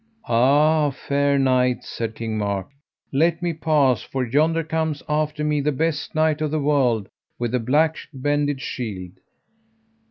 Ah, fair knight, said King Mark, let me pass, for yonder cometh after me the best knight of the world, with the black bended shield.